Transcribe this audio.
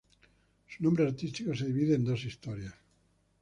Su nombre artístico se divide en dos historias.